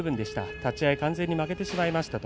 立ち合い完全負けてしまいました。